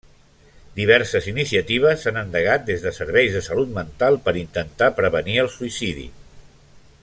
Diverses iniciatives s'han endegat des de serveis de salut mental per intentar prevenir el suïcidi.